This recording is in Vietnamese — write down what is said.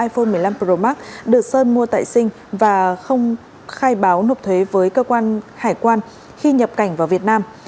iphone một mươi năm pro max được sơn mua tại sinh và không khai báo nộp thuế với cơ quan hải quan khi nhập cảnh vào việt nam